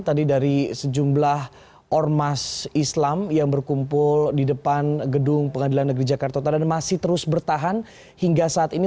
tadi dari sejumlah ormas islam yang berkumpul di depan gedung pengadilan negeri jakarta utara dan masih terus bertahan hingga saat ini